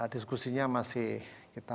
diskusinya masih kita